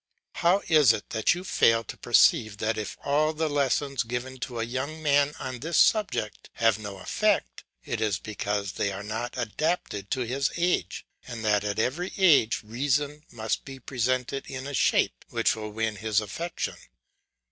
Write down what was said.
How is it that you fail to perceive that if all the lessons given to a young man on this subject have no effect, it is because they are not adapted to his age, and that at every age reason must be presented in a shape which will win his affection?